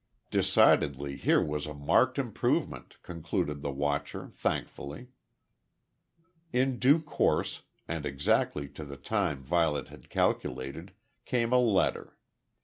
Decidedly here was a marked improvement, concluded the watcher, thankfully. In due course, and exactly to the time Violet had calculated, came a letter.